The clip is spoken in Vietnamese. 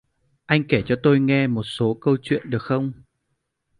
Anh kể cho tôi nghe một số câu chuyện được không